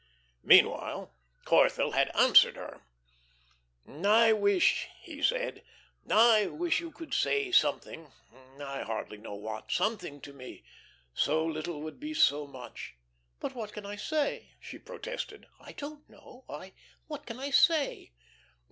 Meanwhile Corthell had answered her: "I wish," he said, "I wish you could say something I hardly know what something to me. So little would be so much." "But what can I say?" she protested. "I don't know I what can I say?"